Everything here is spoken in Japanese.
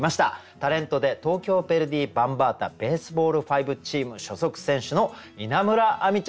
タレントで東京ヴェルディ・バンバータＢａｓｅｂａｌｌ５チーム所属選手の稲村亜美ちゃんです。